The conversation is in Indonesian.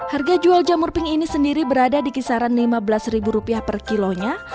harga jual jamur pink ini sendiri berada di kisaran lima belas per kilonya